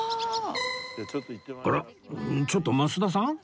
あらちょっと増田さん？